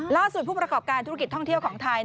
ผู้ประกอบการธุรกิจท่องเที่ยวของไทย